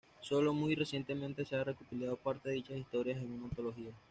Sólo muy recientemente se ha recopilado parte de dichas historias en una antología.